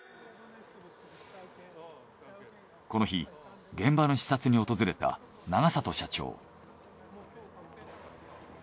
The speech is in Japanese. この日現場の視察に訪れた永里社長。